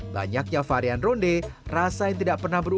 banyaknya varian ronde rasa yang tidak pernah berubah